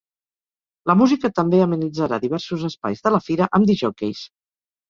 La música també amenitzarà diversos espais de la fira, amb discjòqueis.